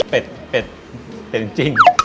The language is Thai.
เป็ดเป็ดเป็ดจริง